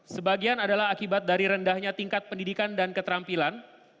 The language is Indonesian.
sebagian adalah akibat dari rendahnya tingkat pendidikan dan keterampilan